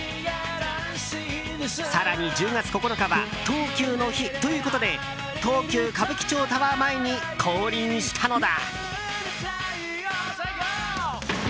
更に、１０月９日はトウキュウの日。ということで東急歌舞伎町タワー前に降臨したのだ。